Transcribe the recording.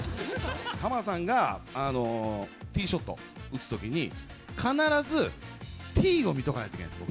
浜田さんがティーショット打つときに、必ずティーを見とかないといけないんです。